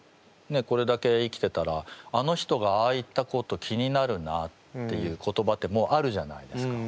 これだけ生きてたらあの人がああ言ったこと気になるなっていう言葉ってもうあるじゃないですか。